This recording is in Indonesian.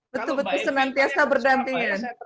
betul betul senantiasa berdampingan